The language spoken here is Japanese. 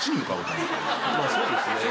そうですね。